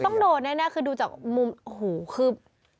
มันต้องโดนแน่คือดูจากมุมหูคือ